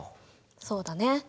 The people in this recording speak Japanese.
そうだね。